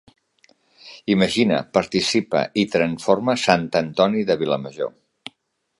Imagina, participa i tranforma Sant Antoni de Vilamajor